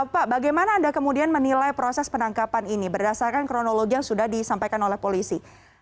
pak bagaimana anda kemudian menilai proses penangkapan ini berdasarkan kronologi yang sudah disampaikan oleh polisi